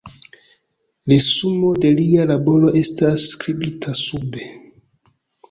Resumo de lia laboro estas skribita sube.